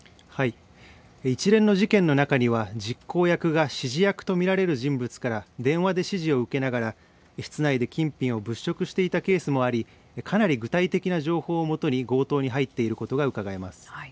一連の事件の中には実行役が支持役とみられる人物から電話で指示を受けながら室内で金品を物色していたケースもありかなり具体的な情報をもとに強盗に入っていることがうかがえます。